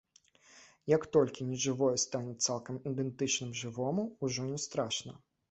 Як толькі нежывое стане цалкам ідэнтычным жывому, ужо не страшна.